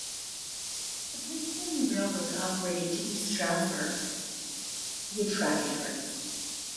The Pennsylvania Railroad operated to East Stroudsburg, Pennsylvania, via trackage rights.